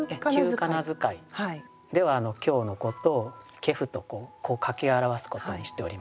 旧仮名遣いでは「今日」のことを「けふ」と書き表すことにしております。